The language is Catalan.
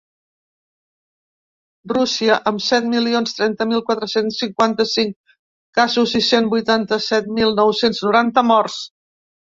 Rússia, amb set milions trenta mil quatre-cents cinquanta-cinc casos i cent vuitanta-set mil nou-cents noranta morts.